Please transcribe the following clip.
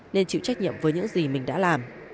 nên chịu trách nhiệm với những gì mình đã làm